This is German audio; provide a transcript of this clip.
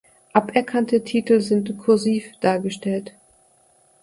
Aberkannte Titel sind "kursiv" dargestellt.